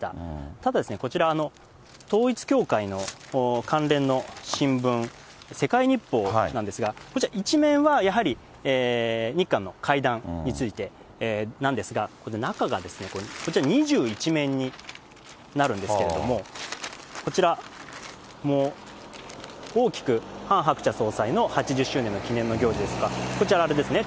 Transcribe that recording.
ただ、こちら統一教会の関連の新聞、世界日報なんですが、１面はやはり日韓の会談についてなんですが、中がこちら、２１面になるんですけれども、こちら、大きくハン・ハクチャ総裁の８０周年の記念の行事ですか、こちら、あれですね、